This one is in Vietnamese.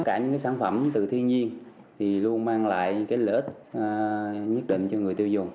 cả những sản phẩm từ thiên nhiên thì luôn mang lại cái lợi ích nhất định cho người tiêu dùng